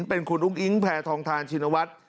เป็นคุณอุ้งอิงแพทองทานชินวัฒน์